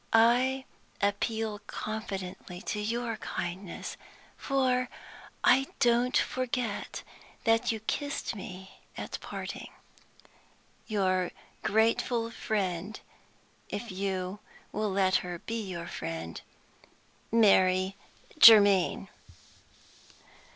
I appeal confidently to your kindness, for I don't forget that you kissed me at parting. Your grateful friend (if you will let her be your friend), "MARY GERMAINE."